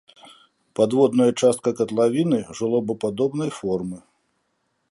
Падводная частка катлавіны жолабападобнай формы.